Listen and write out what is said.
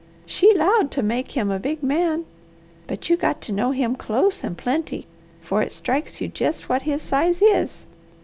She 'lowed to make him a big man, but you got to know him close and plenty 'fore it strikes you jest what his size is.